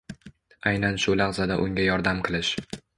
Aynan shu lahzada unga yordam qilish